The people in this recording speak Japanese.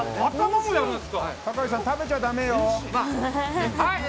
酒井さん、食べちゃだめよ。